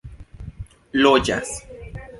loĝas